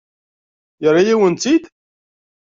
Yerra-yawen-tt-id?